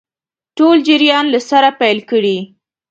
ټول جریان له سره پیل کړي.